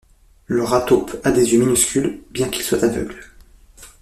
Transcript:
Le Rat-Taupe a des yeux minuscules, bien qu'ils soient aveugles.